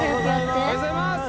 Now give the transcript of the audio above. おはようございます。